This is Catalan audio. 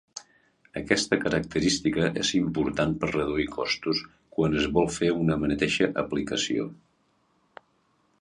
Aquesta característica és important per reduir costos quan es vol fer una mateixa aplicació.